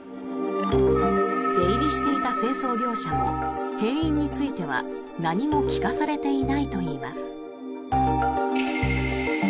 出入りしていた清掃業者も閉院については何も聞かされていないといいます。